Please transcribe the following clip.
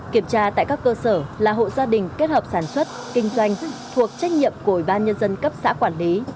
kiểm tra tại các cơ sở là hộ gia đình kết hợp sản xuất kinh doanh thuộc trách nhiệm của ủy ban nhân dân cấp xã quản lý